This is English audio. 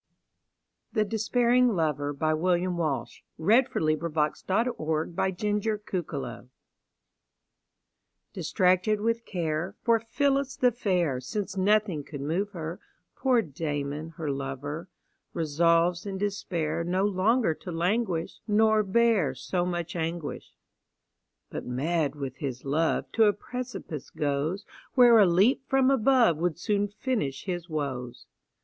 ndure my own despair, But not another's hope. William Walsh The Despairing Lover DISTRACTED with care, For Phillis the fair, Since nothing could move her, Poor Damon, her lover, Resolves in despair No longer to languish, Nor bear so much anguish; But, mad with his love, To a precipice goes; Where a leap from above Would soon finish his woes.